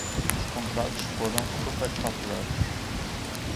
Os contratos foram superfaturados